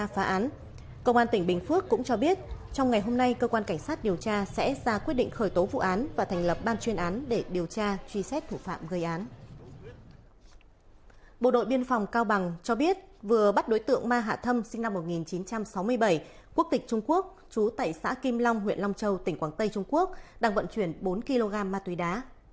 vừa bắt đối tượng ma hạ thâm sinh năm một nghìn chín trăm sáu mươi bảy quốc tịch trung quốc chú tại xã kim long huyện long châu tỉnh quảng tây trung quốc đang vận chuyển bốn kg ma túy đá